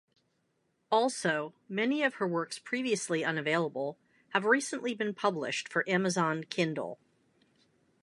Also, many of her works previously unavailable have recently been published for Amazon Kindle.